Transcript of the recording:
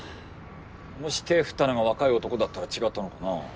もし手振ったのが若い男だったら違ったのかな？